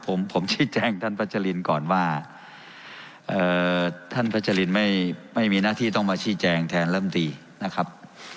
ผมผมชี้แจงท่านประชลินก่อนว่าเอ่อท่านประชลินไม่ไม่มีหน้าที่ต้องมาชี้แจงแทนร่ำตีนะครับ